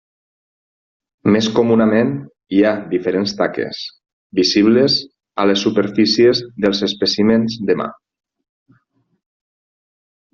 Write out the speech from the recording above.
Més comunament hi ha diferents taques, visibles a les superfícies dels espècimens de mà.